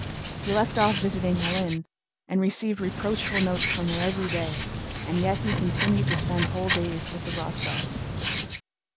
He left off visiting Hélène and received reproachful notes from her every day, and yet he continued to spend whole days with the Rostóvs.